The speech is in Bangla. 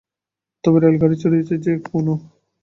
তবে রেলগাড়ি চড়িয়াছে যে কোন!